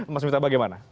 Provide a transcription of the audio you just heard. mas mita bagaimana